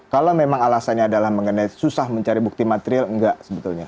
kalau memang alasannya adalah mengenai susah mencari bukti material enggak sebetulnya